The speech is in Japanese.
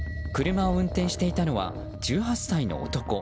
車を運転していたのは１８歳の男。